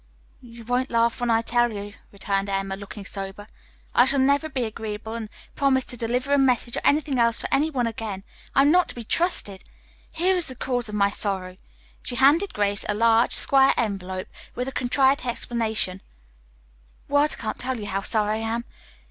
"You won't laugh when I tell you," returned Emma, looking sober. "I shall never be agreeable and promise to deliver a message or anything else for any one again. I am not to be trusted. Here is the cause of all my sorrow." She handed Grace a large, square envelope with the contrite explanation: "Words can't tell you how sorry I am.